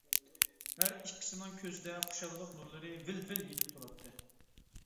ھەر ئىككىسىنىڭ كۆزىدە خۇشاللىق نۇرلىرى ۋىل-ۋىل يېنىپ تۇراتتى.